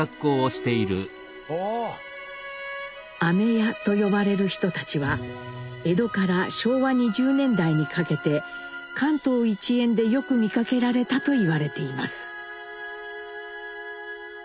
「飴屋」と呼ばれる人たちは江戸から昭和２０年代にかけて関東一円でよく見かけられたと言われています。